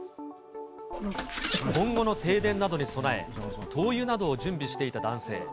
今後の停電などに備え、灯油などを準備していた男性。